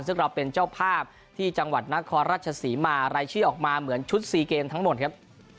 ซึ่งเราเป็นเจ้าภาพที่จังหวัดนครราชศรีมารายชื่อออกมาเหมือนชุดซีเกมทั้งหมดครับ